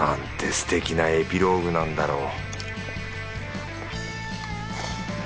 すてきなエピローグなんだろう